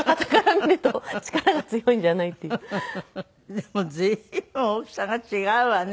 でも随分大きさが違うわね